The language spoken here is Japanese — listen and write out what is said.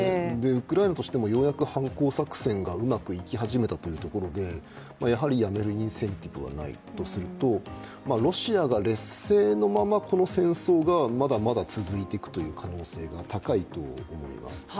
ウクライナとしてもようやく反攻作戦がうまく行き始めたというところでやめるインセンティブはないとするとロシアが劣勢のまま、この戦争がまだまだ続いていく可能性が高いと思います。